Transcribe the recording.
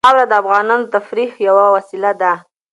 خاوره د افغانانو د تفریح یوه وسیله ده.